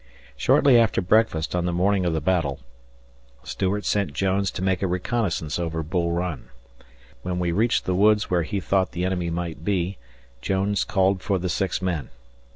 Shortly after breakfast on the morning of the battle, Stuart sent Jones to make a reconnaissance over Bull Run. When we reached the woods where he thought the enemy might be, Jones called for the six men.